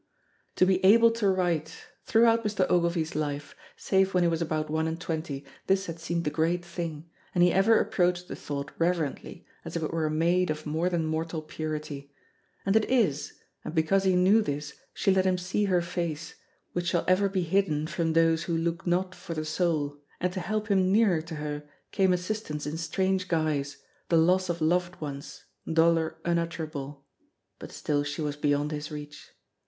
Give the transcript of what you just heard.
To be able to write! Throughout Mr. Ogilvy's life, save when he was about one and twenty, this had seemed the great thing, and he ever approached the thought reverently, as if it were a maid of more than mortal purity. And it is, and because he knew this she let him see her face, which shall ever be hidden from those who look not for the soul, and to help him nearer to her came assistance in strange guise, the loss of loved ones, dolour unutterable; but still she was beyond his reach.